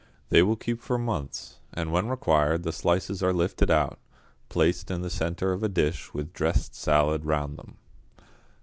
They will keep for months, and when required the slices are lifted out, placed in the centre of a dish with dressed salad round them.